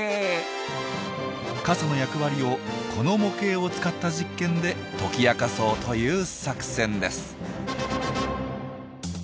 傘の役割をこの模型を使った実験で解き明かそうという作戦です。